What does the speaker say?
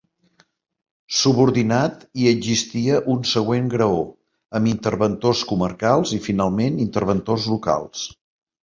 Subordinat hi existia un següent graó, amb interventors comarcals i, finalment, interventors locals.